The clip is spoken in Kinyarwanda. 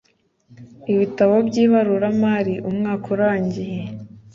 ibitabo by ibaruramari umwaka urangiye